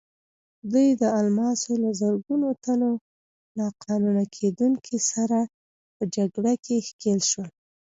دوی د الماسو له زرګونو تنو ناقانونه کیندونکو سره په جګړه کې ښکېل شول.